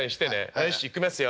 よしいきますよ。